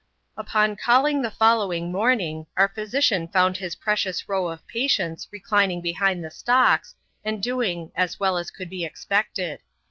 Upon calling the following morning, our physician found hi» precious row of patients reclining behind the stocks, and doing " as well as could be expected."